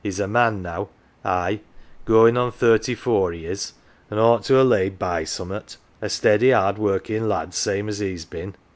He's a man now ; aye, goin' on thirty four he is, an' ought to ha' laid by summat a steady hard working lad same as he's been.